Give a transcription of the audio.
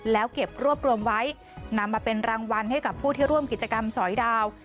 แล้วเก็บรวบรวมไว้นำมาเป็นรางวัลให้กับผู้ที่ร่วมกิจกรรมสอยดาว